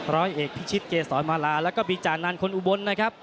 ร้อยเอกพิชิตเกษรมาลาแล้วก็บีจานันคนอุบลนะครับ